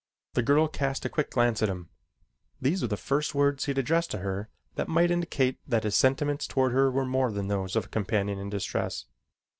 The girl cast a quick glance at him. These were the first words he had addressed to her that might indicate that his sentiments toward her were more than those of a companion in distress.